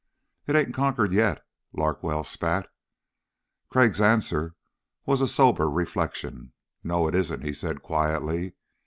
"It ain't conquered yet," Larkwell spat. Crag's answer was a sober reflection. "No, it isn't," he said quietly.